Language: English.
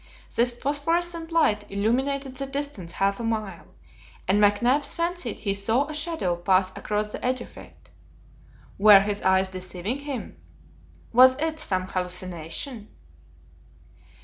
This phosphorescent light illumined the distance half a mile, and McNabbs fancied he saw a shadow pass across the edge of it. Were his eyes deceiving him? Was it some hallucination?